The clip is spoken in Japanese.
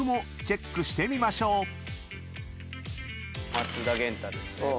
松田元太ですね。